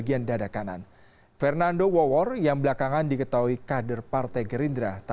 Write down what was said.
tidak ada yang mau berpikir